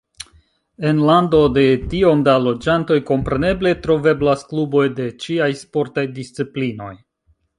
En lando de tiom da loĝantoj, kompreneble troveblas kluboj de ĉiaj sportaj disciplinoj.